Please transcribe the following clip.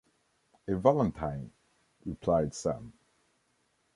‘A Valentine,’ replied Sam.